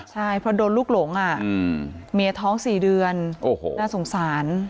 ใช่เพราะโดนลูกหลงเมียท้อง๔เดือนน่าสงสาร